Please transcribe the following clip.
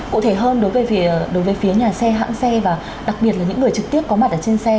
cụ thể hơn đối với phía nhà xe hãng xe và đặc biệt là những người trực tiếp có mặt ở trên xe